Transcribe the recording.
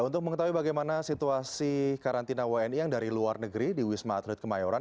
untuk mengetahui bagaimana situasi karantina wni yang dari luar negeri di wisma atlet kemayoran